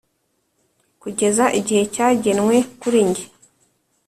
kugeza igihe cyagenwe kuri njye